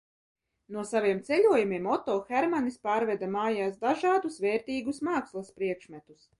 No saviem ceļojumiem Oto Hermanis pārveda mājās dažādus, vērtīgus mākslas priekšmetus.